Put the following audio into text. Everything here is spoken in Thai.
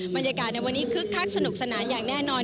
บรรยากาศในวันนี้คึกคักสนุกสนานอย่างแน่นอน